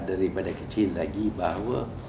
daripada kecil lagi bahwa